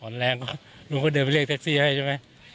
อ่อนแรงลุงก็เดินไปเรียกแท็กซี่ให้ใช่ไหม